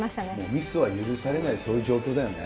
ミスは許されない、そういう状況だよね。